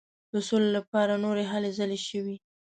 د سولي لپاره نورې هلې ځلې شوې.